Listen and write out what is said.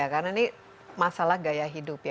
karena ini masalah gaya hidup